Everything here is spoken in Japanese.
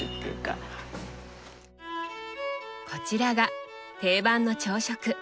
こちらが定番の朝食。